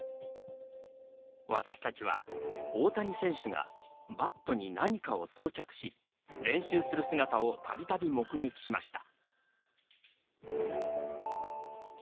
私たちは大谷選手がバットに何かを装着し練習する姿をたびたび目撃しました。